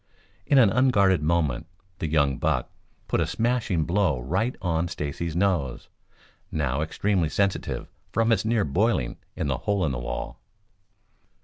In an unguarded moment the young buck put a smashing blow right on Stacy's nose, now extremely sensitive from its near boiling in the "Hole In The Wall."